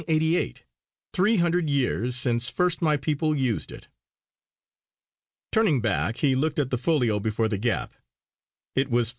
Three hundred years, since first my people used it." Turning back he looked at the folio before the gap; it was 510.